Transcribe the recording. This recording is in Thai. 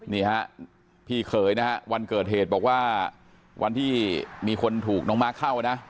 นี่ฮะพี่เขยนะฮะวันเกิดเหตุบอกว่าวันที่มีคนถูกน้องมาร์คเข้านะ